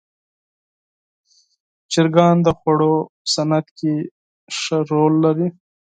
چرګان د خوړو صنعت کې مهم رول لري.